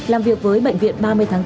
làm việc với bệnh viện ba mươi tháng bốn